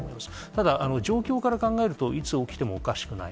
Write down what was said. ただ、状況から考えると、いつ起きてもおかしくない。